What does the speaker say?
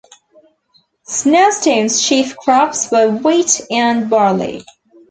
Snarestone's chief crops were wheat and barley.